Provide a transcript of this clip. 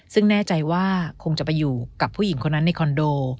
ซึ่งแน่ใจว่าคงจะไปอยู่กับผู้หญิงคนนั้นในคอนโด